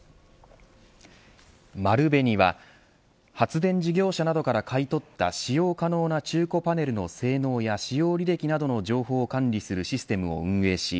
丸紅は発電事業者などから買い取った使用可能な中古パネルの性能や使用履歴などの情報を管理するシステムを運営し